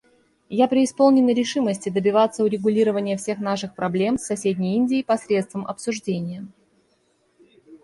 Я преисполнена решимости добиваться урегулированию всех наших проблем с соседней Индии посредством обсуждения.